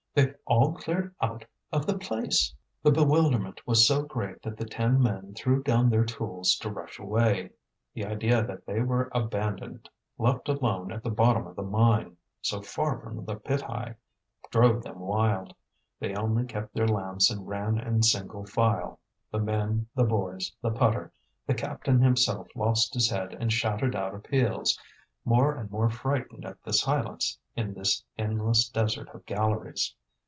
They've all cleared out of the place." The bewilderment was so great that the ten men threw down their tools to rush away. The idea that they were abandoned, left alone at the bottom of the mine, so far from the pit eye, drove them wild. They only kept their lamps and ran in single file the men, the boys, the putter; the captain himself lost his head and shouted out appeals, more and more frightened at the silence in this endless desert of galleries.